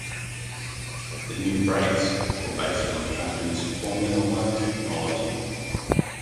The new brakes were based on the company's Formula One technology.